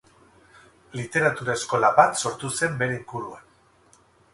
Literatura-eskola bat sortu zen bere inguruan.